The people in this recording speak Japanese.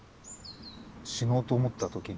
死のうと思った時に？